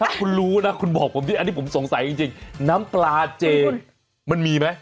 ถ้าคุณรู้นะคุณบอกผมดิอันนี้ผมสงสัยจริงน้ำปลาเจนมันมีไหม